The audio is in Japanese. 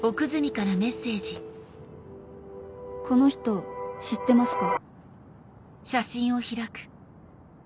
「この人知ってますか？」。